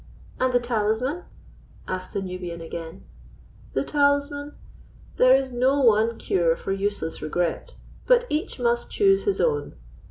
"And the talisman?" asked the Nubian again. "The talisman? There is no one cure for useless regret, but each must choose his own.